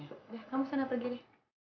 udah kamu sana pergi deh